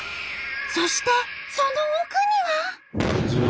そしてその奥には。